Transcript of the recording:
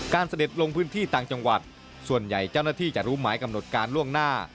เสด็จลงพื้นที่ต่างจังหวัดส่วนใหญ่เจ้าหน้าที่จะรู้หมายกำหนดการล่วงหน้า